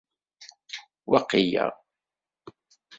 Waqila.